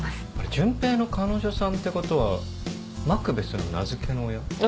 潤平の彼女さんってことはマクベスの名付けの親？